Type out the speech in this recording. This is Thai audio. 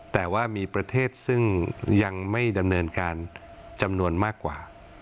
แต่ว่ามีประเทศซึ่งยังไม่ดำเนินการจำนวนมากกว่า